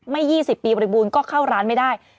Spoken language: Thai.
๒๐ปีบริบูรณ์ก็เข้าร้านไม่ได้